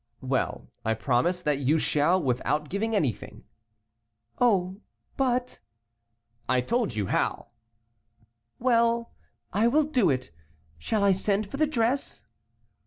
"Well, I promise that you shall without giving anything." "Oh, but " "I told you how." "Well, I will do it; shall I send for the dress?"